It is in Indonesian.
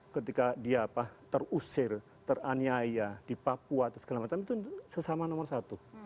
ketika dia apa terusir teranyaiya di papua segala macam itu sesama nomor satu